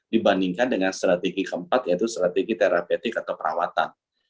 dibandingkan dengan strategi keempat yaitu strategi terapetik atau perawatan